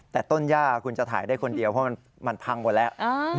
แต่ต้นย่าคุณจะถ่ายได้คนเดียวเพราะมันพังหมดแล้ว